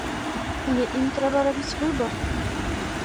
Але ім трэба рабіць выбар.